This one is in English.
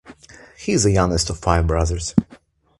He is the youngest of five brothers.